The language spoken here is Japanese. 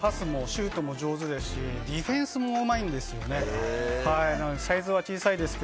彼は本当にパスもシュートも上手ですし、ディフェンスもうまいんですよね。